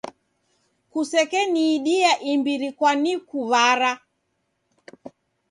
Kusekeniidia imbiri kwanikuw'ara.